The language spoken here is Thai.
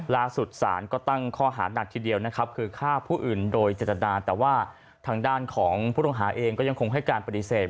ล่าสุดศาลก็ตั้งข้อหานักทีเดียวนะครับคือฆ่าผู้อื่นโดยเจตนาแต่ว่าทางด้านของผู้ต้องหาเองก็ยังคงให้การปฏิเสธ